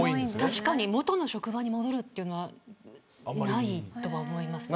確かに元の職場に戻るのはないとは思いますね。